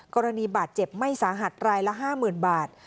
กรณีบาดเจ็บไม่สาหัสรายละ๕๐๐๐บาท